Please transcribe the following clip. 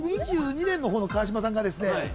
２０２２年の方の川島さんがですね